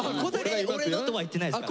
「俺の」とは言ってないですから。